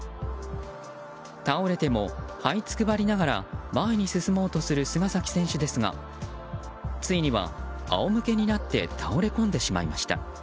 倒れてもはいつくばりながら前に進もうとする菅崎選手ですがついには仰向けになって倒れ込んでしまいました。